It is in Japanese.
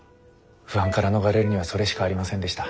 不安から逃れるにはそれしかありませんでした。